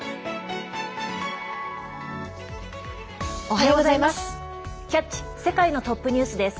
おはようございます。